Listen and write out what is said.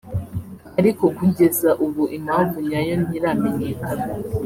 ariko kugeza ubu impamvu nyayo ntiramenyekana